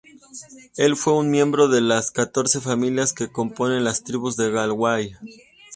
Él fue un miembro de las catorce familias que componen las tribus de Galway.